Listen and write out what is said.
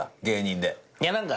芸人で。